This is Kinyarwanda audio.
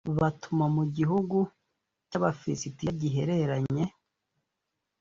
batuma mu gihugu cy abafilisitiya gihereranye